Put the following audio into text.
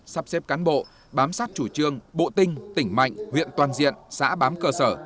sắp xếp cán bộ bám sát chủ trương bộ tinh tỉnh mạnh huyện toàn diện xã bám cơ sở